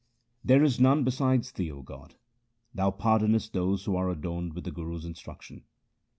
There is none besides Thee, O God ; Thou pardonest those who are adorned with the Guru's instruction.